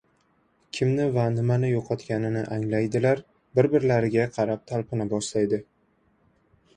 Kimni va nimani yo‘qotganini anglaydilar, bir-birlariga qarab talpina boshlaydi!